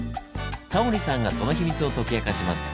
タモリさんがその秘密を解き明かします。